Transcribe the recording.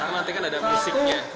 nanti kan ada musiknya